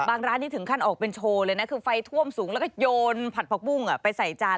ร้านนี้ถึงขั้นออกเป็นโชว์เลยนะคือไฟท่วมสูงแล้วก็โยนผัดผักบุ้งไปใส่จาน